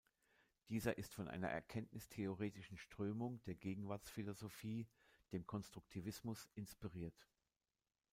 Dieser ist von einer erkenntnistheoretischen Strömung der Gegenwartsphilosophie, dem Konstruktivismus, inspiriert.